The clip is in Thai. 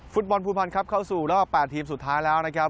ฟุตบอลภูพันธ์ครับเข้าสู่รอบ๘ทีมสุดท้ายแล้วนะครับ